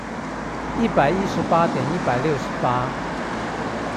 一百一十八點一百六十八